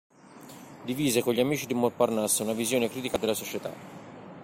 Divise con gli amici di Montparnasse una visione critica della società.